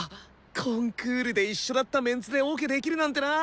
コンクールで一緒だったメンツでオケできるなんてな。